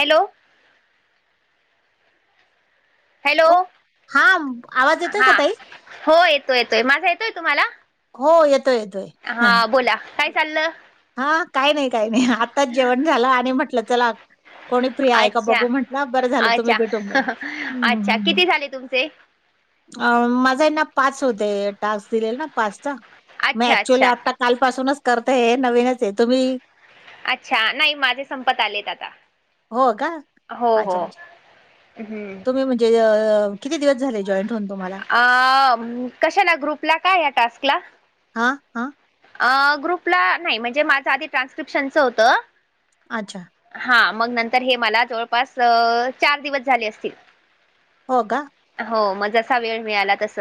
Hello! Hello हा आवाज येतोय का हा ताई हो येतोय येतोय माझा येतोय तुम्हाला. हो येतोय येतोय. हा बोला काय चाललं. हा काही नाही काही नाही आताच जेवण झालं आणि म्हटलं चला. कोणी फ्री आहे का अच्छा बघू म्हटल बरं झालं तुम्ही अच्छा भेटून. गेला अच्छा किती झाले तुमचे. अ माझा ना पाच होते टास्क दिलेला ना पाचचा मग अच्छा ऍक्च्युली अच्छा आता. कालपासूनच करताय नवीनच आहे तुम्ही अच्छा नाही माझे संपत आलेत आता. हो का हो अच्छा हो हम्म तुम्ही म्हणजे. अ.. किती दिवस झालय जॉईंट होऊन तुम्हाला अ कसे ना ग्रुपला काय आहे टास्कला. हा हा. ग्रुपला नाही म्हणजे माझं आधी ट्रान्स्क्रिप्शनचं होतं. अच्छा! हा मग नंतर हे मला जवळपास चार दिवस झाले असतील. हो का. हो मग जसा वेळ मिळाला तस.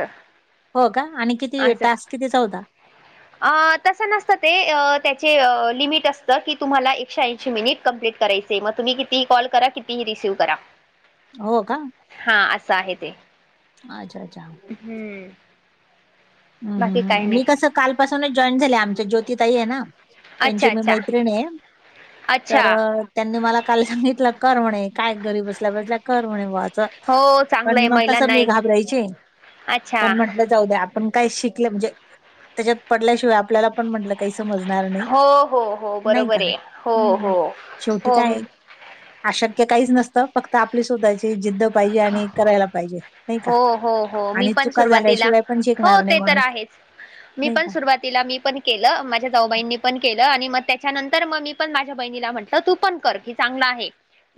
हो का आणि किती टास्क किती होता. अ तसं नसतं ते त्याचे लिमिट असतं की तुम्हाला एकशे ऐंशी मिनिट कंप्ललीट करायचं. तेंव्हा तुम्ही कितीही कॉल करा कितीही रिसीव्ह करा. हो का हां, असं अच्छा अच्छा. हम्म हम ह मी कसं कालपासूनच जॉईन झाले आमच ज्योतिताई आहे ना. अच्छा, त्यांची मी अच्छा. मैत्रिणी आहे. अच्छा! तर त्यांनी मला काल सांगितलं कर म्हणे काय घरी बसल्या बसल्या कर म्हणे असं. हो, चांगलं पण आहे मग तसं महिलांना मी एक घाबरायचे. अच्छा! जाऊदे आपण शिकल म्हणजे त्याच्यात पडल्याशिवाय आपल्याला पण म्हटलं काही समज. नाही हो, हो, हो. नाही का बरोबर आहे. हो, हो. शेवटी हो, काय? अशक्य काहीच नसतं फक्त आपली स्वतःची. जिद्द पाहिजे आणि करायला पाहिजे नाही का हो, हो, हो. मी आणि पण चुका सुरुवातीला झाल्याशिवाय टिकणार नाही माणूस नाही का? स्वातीला मी पण केलं. माझ्या जाऊबाईनी पण केलं आणि मग त्याच्यानंतर मग मी पण माझ्या बहिणीला म्हटलं तू पण कर की चांगला आहे.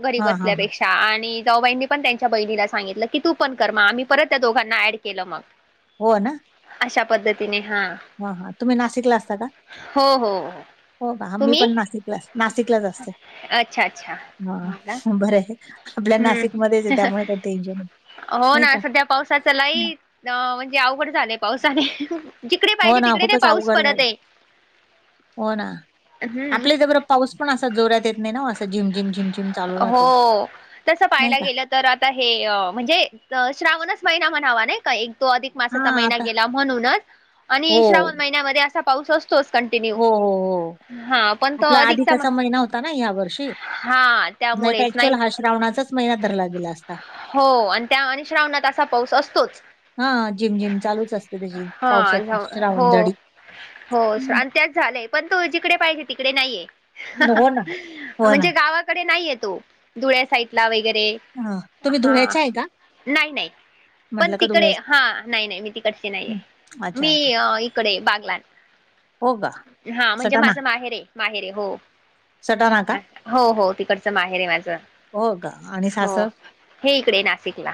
घरी हां, हां, हां. बसल्यापेक्षा आणि जाऊबाईनीं पण त्यांच्या बहिणीला सांगितलं की तू पण कर मग आम्ही परत त्या दोघांना ॲड केलं मग होय ना अशा पद्धतीने हा हा हा तुम्ही नाशिकला असता का? हो हो हो का? मी तुम्ही पण नाशिकला नाशिकलाच असते. अच्छा अच्छा हो का हा बर आहे. आपल्या हम्म नाशिकमध्येच आहे त्यामुळे काही टेन्शन नाही. नाही का? न म्हणजे अवघड झालंय पावसाने जिकडे हो पाहिजे ना तिकडे नाही खूपच पाऊस अवघड पडत झाले आहे हो ना हम्म आपले जरा बरं पाऊस पण असा जोरात येत नाही ना असं झिम झिम झिम झिम चालू राहतो हो. तसं नाही पाहायला का? गेलं तर आता हे म्हणजे श्रावणच महिना म्हणावा नाही एक तो अधिक मासाचा हां महिना आता गेला म्हणूनच आणि हो. श्रावण महिन्यामध्ये असा पाऊस असतो कंटिन्यू हो, हो, हो. हा पण त आपला अधिकचा अधिकाचा महिना होता ना यावर्षी. हा नाहीतर त्यामुळेच ॲक्चुअल नाही. हा श्रावणाचाच महिना धरला गेला असता. हो आणि त्या आणि श्रावणात असा पाऊस असतोच. हा झिम झिम चालूच असते त्याची हां, पावसात जाऊ हो, श्रावण झडी हो हं. आणि त्याच झालंय. पण तो जिकडे पाहिजे तिकडे नाहीये हो ना, हो ना. म्हणजे गावात गावाकडे नाहीय तो धुळ्या साईडला वगैरे हां. तुम्ही हा धुळ्याच्या आहे का? नाही नाही पण म्हटलं का तिकडे धुळ्याच्या? हा नाही नाही मी तिकडची नाहीये हं. अच्छा. मी इकडे बागलान हो का हा म्हणजे सटाणा माझं माहेर आहे माहेर आहे हो सटाणा का हो हो तिकडचं माहेर आहे माझं हो का? आणि हो हे इकडे नाशिकला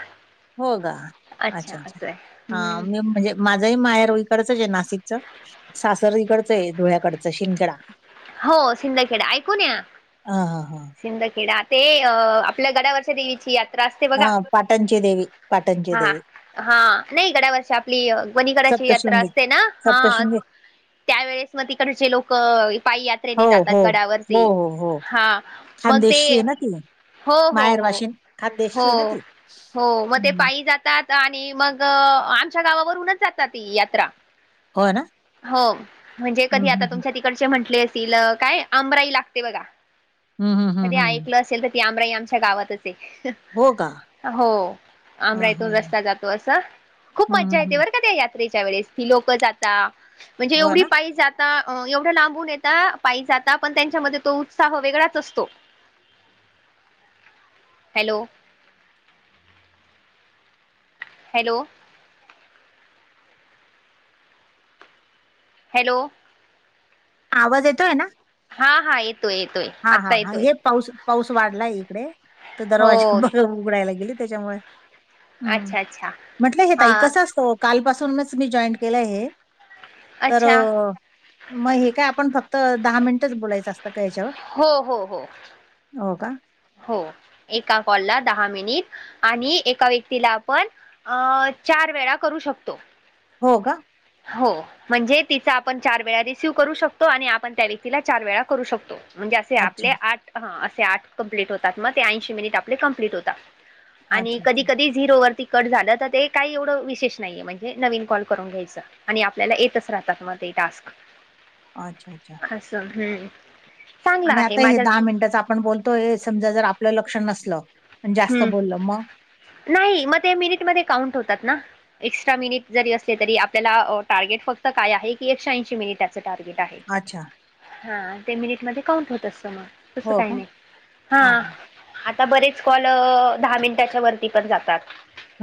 होकार? अच्छा अच्छा असं आहे हा हम्म मी म्हणजे माझंही माहेर इकडचच आहे नाशिकच सासर इकडचं आहे धुळ्याकडच सिंदखेडा हो सिंदखेडा ऐकून आहे हा हा हा हा सिंदखेडा ते अ आपल्या गडावरच्या देवीची यात्रा असते बघा हा पाटणची देवी पाटणची हा देवी हा नाही गड्यावरच्या आपली ग्वनीगडाची यात्रा सप्तशृंगी असते ना हा सप्तशृंगी त्यावेेळेस मग तिकडचे लोक पायीयात्रा हो जातात हो हो गडावरती हो हो हा मग ते खानदेशची आहे ना ती हो हो माहेर हो वाशिन खानदेशची हो आहे ना ती हो मग ते हम्म. पायी जातात आणि मग आमच्या गावावरूनच जातात ती यात्रा हो ना हो म्हणजे हम्म, कधी हम्म, आता हम्म. तुमच्या तिकड म्हण कले असल काय आंबराई लागते बघा हं हं हं कधी ऐकलं असेल तर ती आमराई आमच्या गावातच आहे. हो का हो हा आमराई हा इथून हम्म, रस्ता जातो असं खूप हम्म, मज्जा येते हम्म. बर का त्याच्यात त्याच्या वेळेस की लोक जाता म्हणजे हो एवढी ना पायी जाता एवढं लांबून येत आ पायी जाता पण त्यांच्यामध्ये तो उत्साह वेगळाच असतो हॅलो हॅलो हॅलो आवाज येतोय ना? हा, हा येतोय, येतोय हा, हा, आत्ता हा येतोय हे पाऊस, पाऊस वाढलाय इकडे तर हो दरवाजा उघडायला गेली त्याच्यामुळे हम्म अच्छा अच्छा म्हटलं हे हा तई कस असत कालपासूनच मी जॉईन केलं आहे हे तर अच्छा मग हे काय आपण फक्त दहा मिनिटच बोलायचं असतं का याच्यावर हो, हो, हो हो का हो एका कॉलला दहा मिनिट आणि एका व्यक्तीला आपण अ चार वेळा करू शकतो हो का हो म्हणजे तिचा आपण चार वेळा रिसिव करू शकतो आणि आपण त्या व्यक्तीला चार वेळा करू शकतो म्हणजे असे अच्छा, आपले आठ ह असे आठ कंप्लीट होतात मग ते ऐंशी मिनिट आपले कमप्लीट होता आणि अच्छा, कधी, अच्छा, कधी झिरोवररती कट झालं तर ते काही एवढं विशेष नाहीये म्हणजे नवीन कॉल करून घ्यायचं आणि आपल्याला येतच राहतात मग ते टास्क अच्छा, अच्छा असं हम आणि आता हे दहा मिनिटाच आपण बोलतो हे समजा जर आपलं लक्ष नसलं अन जास्त हम्म बोललं मग नाही मग ते मिनिटमध्ये काउंट होतात ना एक्स्ट्रा मिनिट जरी असले तरी आपल्याला टार्गेट फक्त काय आहे की एकशे ऐंशी मिनिटाच टार्गेट आहे अच्छा! हा ते मिनिटमध्ये काउंट होत असत मग तस हो काही का? नाही हा हां, हां. आता बरेच कॉल दहा मिनिटाच्या वरती पण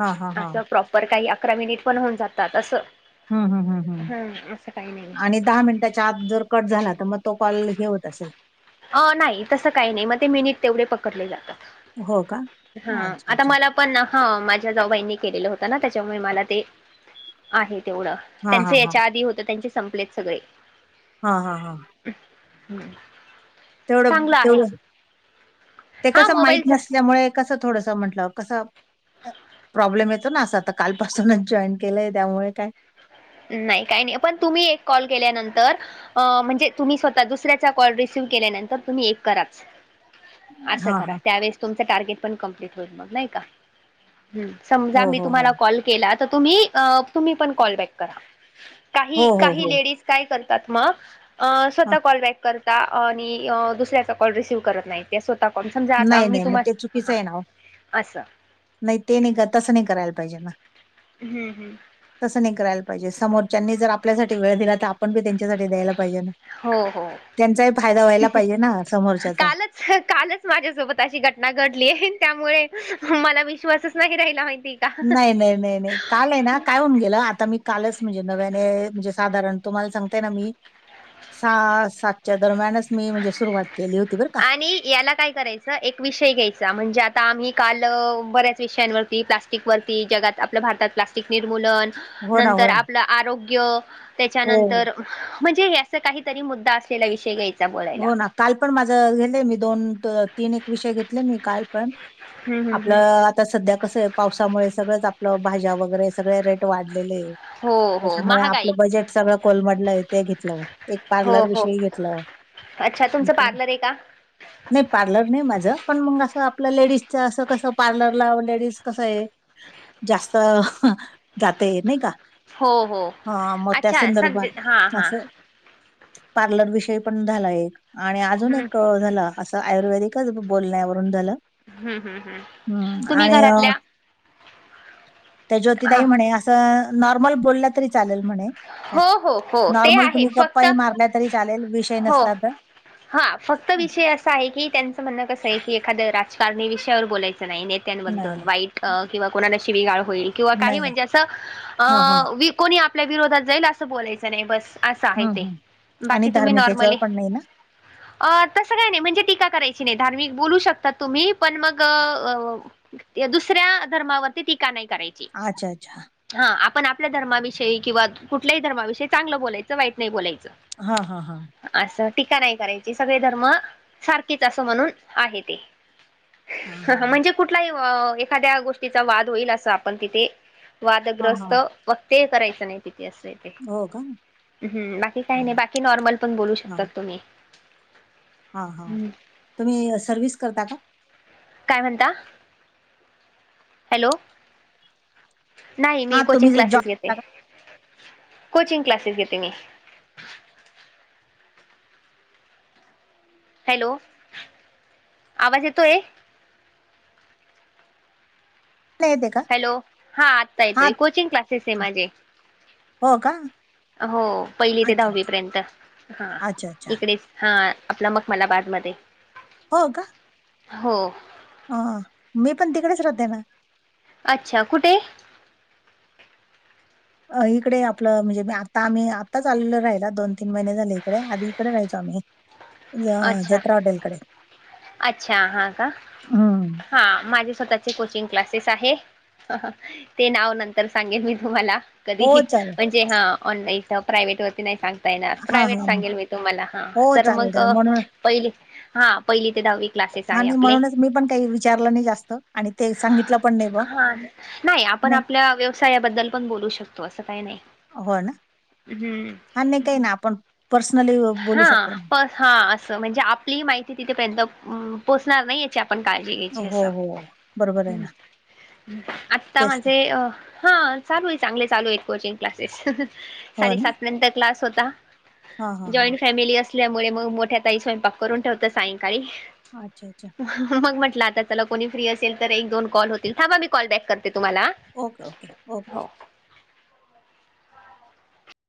हां, हां, अस हां. प्रॉप तर काही अकरा मिनिट पण होऊन जातात असं हम, हम, हम, हम हम्म असं काही नाही. आणि दहा मिनिटाच्या आत जर कट झाला तर मग तो कॉल हे होत असेल अ नाही तसं काही नाही मग ते मिनिट तेवढे पकडले हो का? जातात ह अच्छा, आता अच्छा. मला पण हा माझ्या जाऊबाईंनी केलेलं होतं ना त्याच्यामुळे मला ते आहे तेवढं हां, त्यांच हां, हां. याच्या आधी होत त्यांचे संपलेत सगळे हा, हा, हा हम् तेवढं, तेवढं ते हा कसं माहीत मोबाईलचा नसल्यामुळे कस थोडस म्हटलं कसं प्रॉब्लेम येतो ना असं आ कालपासूनच जॉईन केलंय त्यामुळे काय नाही काही नाही पण तुम्ही एक कॉल केल्यानंतर अ म्हणजे तुम्ही स्वतः दुसऱ्याचा कॉल रिसिव्ह केल्यानंतर तुम्ही एक कराच [inaudible] असं करा हां. त्यावेळेस तुमचं टार्गेट पण कंप्लीट होईल मग नाही का ह समजा हो, मी हो, हो. तुम्हाला कॉल केला तर तुम्ही, तुम्ही पण कॉल बॅक करा का हो, हो, काही हो. लेडीज काय करतात मग हां. स्वतः कॉलबॅक कर आणि दुसऱ्याचा कॉल रिसिव करत नाही. स्वतः कोण समजा आता नाही, मी नाही मग तुम्हा ते ह चुकीचं आहे ना हो. असं. नाही ते नाही का तसं नाही करायला पाहिजे ना. हम्म हम्म. तसं नाही करायला पाहिजे समोरच्यानी जर आपल्यासाठी वेळ दिला तर आपण बी त्यांच्यासाठी द्यायला पाहिजे ना. हो हो त्यांचाही फायदा व्हायला पाहिजे ना समोरच्याचा. कालच कालच माझ्यासोबत अशी घटना घडली आहे त्यामुळे मला विश्वासच नाही राहिला माहिती. का नाही नाही नाही नाही. काल आहे ना काय होऊन गेलं आता मी कालच म्हणजे नव्याने म्हणजे साधारण तुम्हाला सांगतेय ना मी सहा सातच्या दरम्यानच मी म्हणजे सुरुवात केली होती बरं का. आणि याला काय करायचं एक विषय घ्यायचा म्हणजे आता आम्ही काल बऱ्याच विषयांवरती प्लास्टिक वरती ती जगात आपल्या भारतात प्लास्टिक निर्मूलन हो ना, हो नंतर ना. आपलं आरोग्य हो, त्याच्यानंतर ह म्हणजे ह्याच काहीतरी मुद्दा असलेला विषय घ्यायचा बोलायला हो ना. काल पण माझं घेलंय मी दोन तीन एक विषय घेतले मी काल पण हम्म हम्म आपलं हम्म आता सध्या कसं आहे पावसामुळे सगळंच आपलं भाज्या वगैरे सगळे रेट वाढलेले आहे हो हो त्याच्यामुळे महागाई आपलं बजेट सगळं कोलमडलंय ते घेतलं एक हो पार्लर हो विषयी घेतलं अच्छा तुमचं म्हटलं पार्लर आहे का नाही पार्लर नाही माझं पण मग असं आपल्या लेडीजच्या असं कसं पार्लरला लेडीज कसं आहे जास्त जाते नाही का हो हो हा मग त्या अच्छा संदर्भात सध्या हां हां असं पार्लर विषयी पण झाला एक आणि अजून हम्म एक झाला असं आयुर्वेदिकच बोलण्यावरून झालं हम्म हम्म हम्म ह् तुम्ही आणि घरातल्या त्या जोति हा तई म्हणे असं नॉर्मल बोलला तरी चालेल म्हणे काय हो हो हो ते नॉर्मल आहे तुम्ही फक्त गप्पाही मारल्या तरी चालेल विषय हो नसला तर हा फक्त विषय कसं आहे की त्यांचं म्हणणं कसं आहे की एखादं राजकारणी विषयावर बोलायचं नाही नाही नेत्यांबद्दल वाईट अ किंवा कोणाला शीविगाळ होईल किंवा काही नाही नाही. म्हणजे असं हा हा अ कोणी आपल्या विरोधात जाईल असं बोलायचं नाही बस असं आहे हम्म ते हम्म बाकी तुम्ही नॉर्मली ह अ तसं काय नाही म्हणजे टीका करायची नाही धार्मिक बोलू शकतात तुम्ही पण मग अ दुसऱ्या धर्मावरती टीका नाही करायची अच्छा अच्छा हा आपण आपल्या धर्माविषयी किंवा कुठल्याही धर्माविषयी चांगलं बोलायचं वाईट नाही बोलायचं हा हा हा असं टीका नाही करायची सगळे धर्म सारखेच अस म्हणून आहे ते हा ह हा म्हणजे कुठलाही एखाद्या गोष्टीचा वाद होईल असं आपण तिथे हा हा वादग्रहस्थ वक्तेय करायचं नाही तिथ असे हो का हम्म बाकी काय हा नाही बाकी नॉर्मल पण बोलू हा शकतात तुम्ही हा हा हम्म. तुम्ही सर्विस करता का काय म्हणता हॅलो नाही मी हा कोचिंग तुम्ही जॉब क्लासेस घेत करता कोचिंग क्लासेस घेते मी हॅलो आवाज येतोय का? येते का हॅलो! हा आत्ता हा येतोय कोचिंग क्लासेस आय माझे. हो का? हो पहिली ते अच्छा दहावी अच्छा पर्यंत हा अच्छा अच्छा इकडे हा आपलं मखमनाबाद मध्ये हो का? हो! हा, मी पण तिकडेच राहते ना. अच्छा! कुठे? इकडे आपलं म्हणजे मी आता आम्ही आताच आललो राहिला दोन, तीन महिने झाले इकडे आधी इकडे राहायचो आम्ही. अ अच्छा जत्रा हॉटेलकडे. अच्छा! हा का हं. हा, माझे स्वतःचे कोचिंग क्लासेस आहे. ह ह ते नाव नंतर सांगेन मी तुम्हाला हो कधीही चालेल. म्हणजे हा ऑनलाईन प्रायव्हेट वरती नाही सांग हां, प्रायव्हेट हां, हां. सांगेल मी तुम्हाला हो ह चालेल, मग चालेल. म्हणून पहिली हा पहिली पहिली ते दहावी क्लासेस आहे आणि आपले म्हणूनच मी पण काही विचारलं नाही जास्त आणि ते सांगितलं पण नाही ब हा नाही आपण आपल्या व्यवसायाबद्दल पण बोलू शकतो असं काही नाही. हो ना आणि नाही काही ना आपण पर्सनली बोलू हा शकतो ना. प हा असं म्हणजे आपली हि माहिती तिथेपर्यंत पोचणार नाही. काळजी घ्यायची हो, अस हो. बरोबर आहे ना. आता तेच. ते. माझे अ हा चालू आहे चांगले चालू आहे कोचिंग क्लासेस हो ना? साडेसात पर्यंत क्लास होता. हां, हां, हां. जॉईंट फॅमिली असल्यामुळे मग मोठ्या ताई स्वयंपाक करून ठेवतात मग सायंकाळी. अच्छा! अच्छा! मग म्हंटलं आता चला कोणी फ्री असेल तर एक दोन कॉल होतील, थांबा मी कॉल बॅक करते तुम्हाला. ओके ओके हां. ओके! हो.